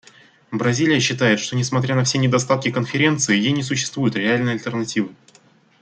Бразилия считает, что, несмотря на все недостатки Конференции, ей не существует реальной альтернативы.